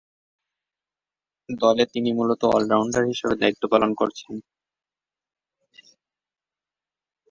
দলে তিনি মূলতঃ অল-রাউন্ডার হিসেবে দায়িত্ব পালন করেছেন।